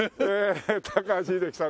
高橋英樹さんです。